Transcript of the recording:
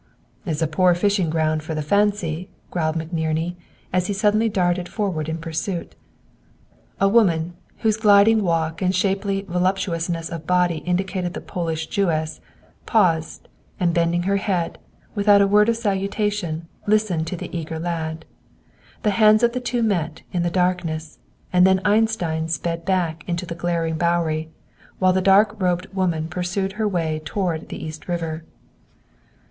"It's a poor fishing ground for the fancy," growled McNerney, as he suddenly darted forward in pursuit. A woman, whose gliding walk and shapely voluptuousness of body indicated the Polish Jewess, paused, and bending her head, without a word of salutation, listened to the eager lad. The hands of the two met, in the darkness, and then Einstein sped back into the glaring Bowery, while the dark robed woman pursued her way toward the East River.